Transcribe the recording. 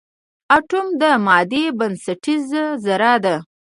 اټوم د مادې بنسټیزه ذره ده.